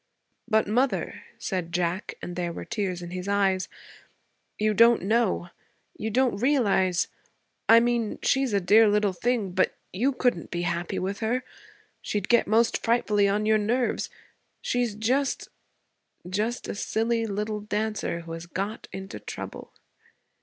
'But, mother,' said Jack, and there were tears in his eyes, 'you don't know, you don't realize. I mean she's a dear little thing but you couldn't be happy with her. She'd get most frightfully on your nerves. She's just just a silly little dancer who has got into trouble.'